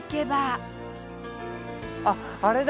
あっあれだ！